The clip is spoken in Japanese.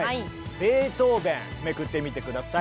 ベートーベンめくってみて下さい！